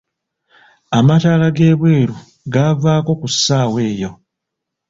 Amataala g'ebweru gaavako ku ssaawa eyo.